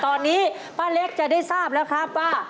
ตอนนี้ป้าเล็กจะได้ทราบแล้วครับว่า